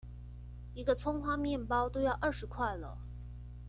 一個蔥花麵包都要二十塊了！